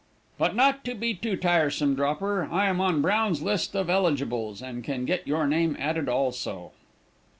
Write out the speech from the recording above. "But, not to be too tiresome, Dropper, I am on Brown's list of eligibles, and can get your name added also."